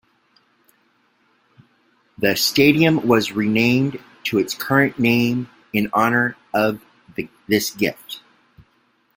The stadium was renamed to its current name in honor of this gift.